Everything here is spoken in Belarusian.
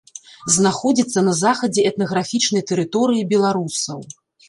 Знаходзіцца на захадзе этнаграфічнай тэрыторыі беларусаў.